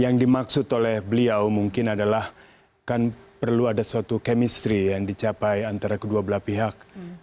yang dimaksud oleh beliau mungkin adalah kan perlu ada suatu chemistry yang dicapai antara kedua belah pihak